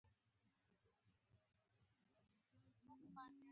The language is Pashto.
گړدود پوهنه د ژبپوهنې څانگه ده